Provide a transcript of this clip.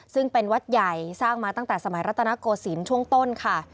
ซึ่งเป็นวัดใหญ่สร้างมาตั้งแต่สมัยรัตนโกศิลป์ช่วงต้นค่ะ